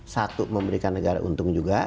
satu memberikan negara untung juga